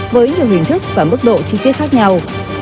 với nhiều hình thức và mức độ chi tiết khác nhau